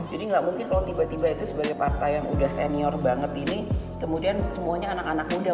jadi gak mungkin kalau tiba tiba itu sebagai partai yang udah senior banget ini kemudian semuanya anak anak muda